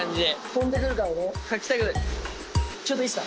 飛んでくるからね。